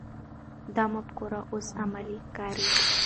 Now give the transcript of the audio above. دا مفکوره اوس عملي ښکاري.